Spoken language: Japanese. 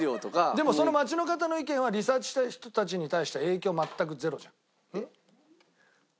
でもその街の方の意見はリサーチした人たちに対しては影響全くゼロじゃん。